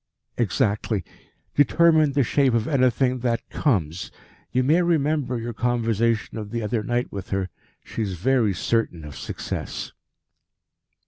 "Exactly. Determine the shape of anything that comes. You may remember your conversation of the other night with her. She is very certain of success."